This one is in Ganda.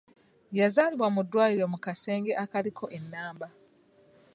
Yazaalibwa mu ddwaliro mu kasenge akaaliko ennamba.